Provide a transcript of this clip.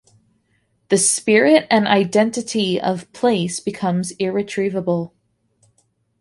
The spirit and identity of place becomes irretrievable.